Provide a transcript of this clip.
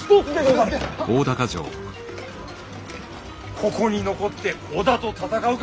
ここに残って織田と戦うか